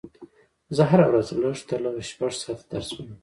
زه هره ورځ لږ تر لږه شپږ ساعته درس وایم